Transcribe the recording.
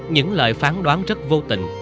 những lời phán đoán rất vô tình